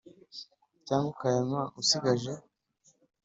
cyangwa ukayanywa usigaje